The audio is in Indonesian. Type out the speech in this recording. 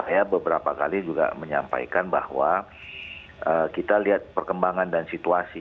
saya beberapa kali juga menyampaikan bahwa kita lihat perkembangan dan situasi